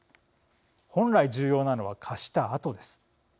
本来重要なのは貸したあとです。